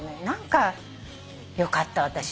何かよかった私。